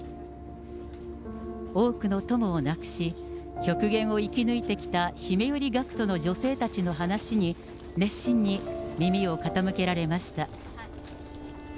多くの友を亡くし、極限を生き抜いてきたひめゆり学徒の女性たちの話に、熱心に耳を傾けられました。